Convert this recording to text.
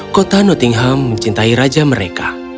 kota nottingham mencintai raja mereka